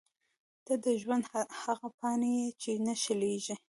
• ته د ژوند هغه پاڼه یې چې نه شلېږي.